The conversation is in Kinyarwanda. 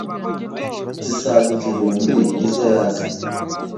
zisaga igihumbi izo yazanye